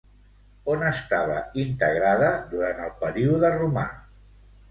On estava integrada durant el període romà?